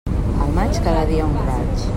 Al maig, cada dia un raig.